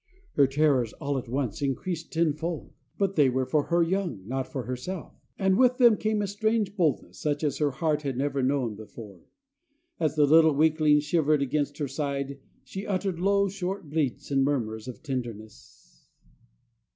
Her terrors all at once increased tenfold, but they were for her young, not for herself; and with them came a strange boldness such as her heart had never known before. As the little weakling shivered against her side, she uttered low, short bleats and murmurs of tenderness.